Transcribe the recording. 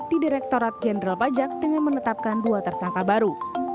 di direktorat jenderal pajak dengan menetapkan dua tersangka baru